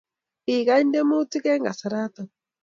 Kikany temutik eng kasaroto